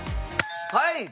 はい！